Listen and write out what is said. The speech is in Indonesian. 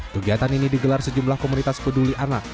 kegiatan ini digelar sejumlah komunitas peduli anak